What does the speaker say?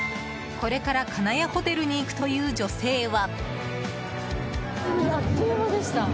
これから金谷ホテルに行くという女性は。